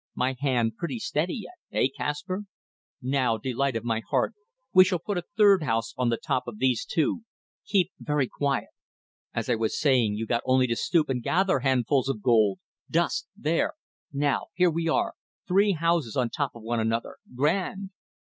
... My hand pretty steady yet! Hey, Kaspar? ... Now, delight of my heart, we shall put a third house on the top of these two ... keep very quiet. ... As I was saying, you got only to stoop and gather handfuls of gold ... dust ... there. Now here we are. Three houses on top of one another. Grand!"